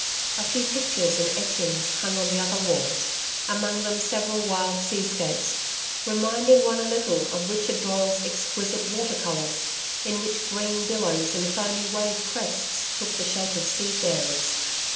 A few pictures and etchings hung on the other walls among them several wild seascapes reminding one a little of Richard Doyle's exquisite water colours in which green billows and foamy wave crests took the shape of sea fairies.